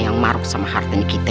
yang maruk sama hartanya kita